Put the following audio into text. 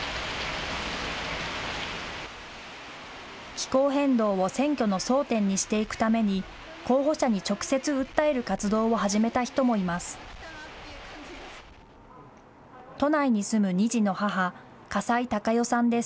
気候変動を選挙の争点にしていくために、候補者に直接、訴える活動を始めた人もいます。